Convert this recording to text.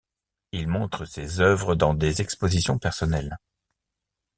Il montre ses œuvres dans des expositions personnelles.